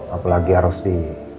apalagi harus di